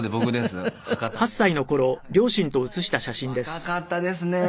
若かったですね。